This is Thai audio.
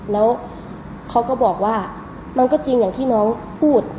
แล้วเขาก็บอกว่ามันก็จริงอย่างที่น้องพูด